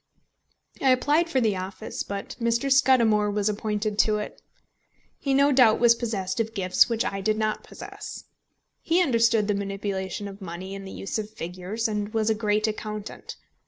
I applied for the office, but Mr. Scudamore was appointed to it. He no doubt was possessed of gifts which I did not possess. He understood the manipulation of money and the use of figures, and was a great accountant.